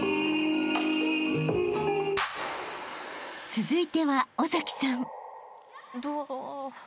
［続いては尾さん］